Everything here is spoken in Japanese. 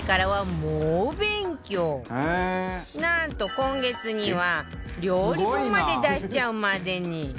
なんと今月には料理本まで出しちゃうまでに